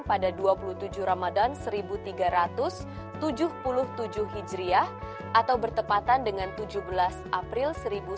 pada dua puluh tujuh ramadan seribu tiga ratus tujuh puluh tujuh hijriah atau bertepatan dengan tujuh belas april seribu sembilan ratus empat puluh